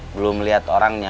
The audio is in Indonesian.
belum melihat orangnya